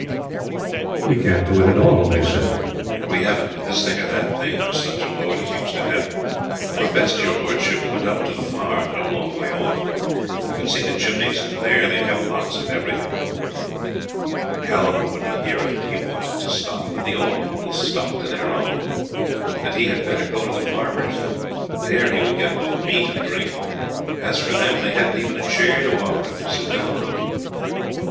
"We can't do it at all," they said, "for we haven't this thing or that thing which such a lord is used to have; 'twere best your lordship went up to the farm, no long way off, for you can see the chimneys, and there they have lots of everything." Halvor wouldn't hear of it he wanted to stop; but the old couple stuck to their own, that he had better go to the farmer's; there he would get both meat and drink; as for them, they hadn't even a chair to offer him to sit down on.